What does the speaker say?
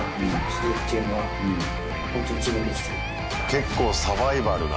結構サバイバルな。